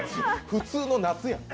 普通の夏やん。